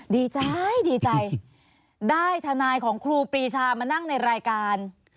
ดีใจดีใจได้ทนายของครูปรีชามานั่งในรายการ